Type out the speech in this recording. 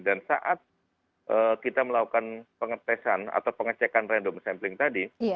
dan saat kita melakukan pengetesan atau pengecekan random sampling tadi